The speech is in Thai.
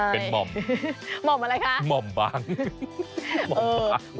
เป็นหม่อมหม่อมอะไรคะหม่อมบ้างหม่อมบาง